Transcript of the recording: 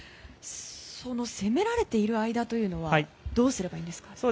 その攻められている間というのはどうすればいいんですか。